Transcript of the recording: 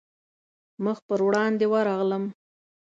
مخ پر وړاندې ورغلم.